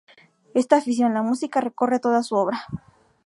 Esta afición -la música- recorre toda su obra.